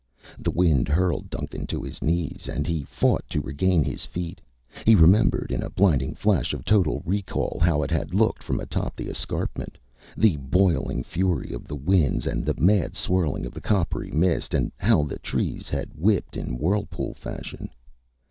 The wind hurled Duncan to his knees, and as he fought to regain his feet, he remembered, in a blinding flash of total recall, how it had looked from atop the escarpment the boiling fury of the winds and the mad swirling of the coppery mist and how the trees had whipped in whirlpool fashion.